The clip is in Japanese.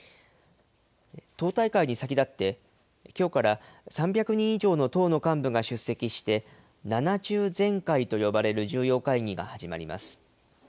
党大会に先立って、きょうから３００人以上の党の幹部が出席して、７中全会と呼ばれる重要会議が始まります。